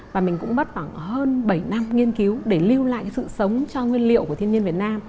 và mình cũng mất khoảng hơn bảy năm nghiên cứu để lưu lại sự sống cho nguyên liệu của thiên nhiên việt nam